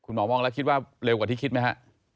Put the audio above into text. หมอมองแล้วคิดว่าเร็วกว่าที่คิดไหมฮะ